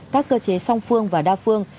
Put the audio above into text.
các cơ chế song phương và đa phương